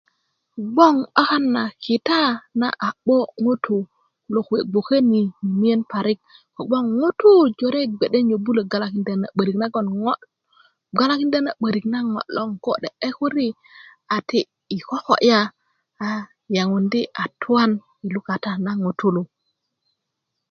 bgoŋ 'bakan na kita na a 'bo ŋutu logon bgoŋ kuwe bgoke ni mimiyen parik kobgon ŋutu bge nyobulö galakinda na 'börik na ŋo loŋ ko 'de'dekuri a yiti i kokoya a yeŋundi a twan i lukata na ŋutulu